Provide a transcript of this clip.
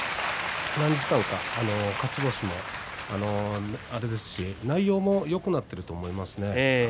勝ち星もあれですし、内容もよくなっていると思いますね。